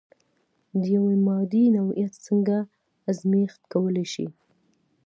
د یوې مادې نوعیت څنګه ازميښت کولی شئ؟